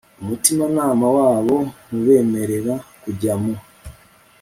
umutimanama wabo ntubemerera kujya mu